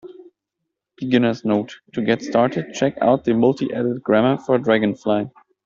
Beginner's note: to get started, check out the multiedit grammar for dragonfly.